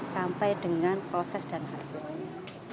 sampai dengan proses dan hasilnya